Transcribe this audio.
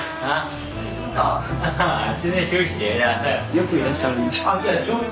よくいらっしゃるんです。